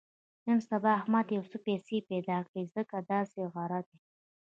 نن سبا احمد یو څه پیسې پیدا کړې دي، ځکه داسې غره دی.